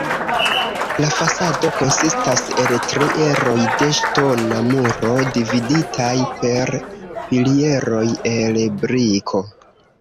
La fasado konsistas el tri eroj de ŝtona muro dividitaj per pilieroj el briko.